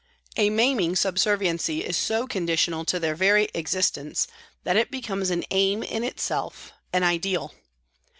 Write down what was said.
A maiming subserviency is so conditional to their very existence that it becomes an aim in itself, an ideal.